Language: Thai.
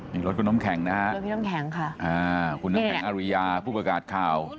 มีรถคุณน้ำแข็งนะคะคุณน้ำแข็งอาริยาผู้ประกาศข่าว